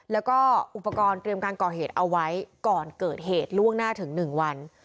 แล้วก็อุปกรณ์เตรียมการก่อเหตุเอาไว้ก่อนเกิดเหตุล่วงหน้าถึง๑วัน